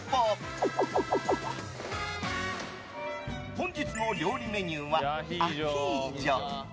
本日の料理メニューはアヒージョ。